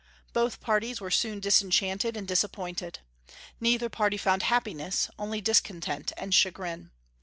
Both parties were soon disenchanted and disappointed. Neither party found happiness, only discontent and chagrin.